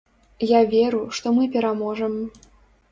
Я веру, што мы пераможам.